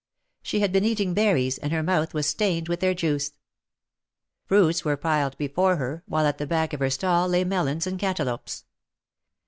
She had been eating berries, and her mouth was stained with their juice. Fruits were piled before her, while at the back of her stall lay melons and cantaloupes.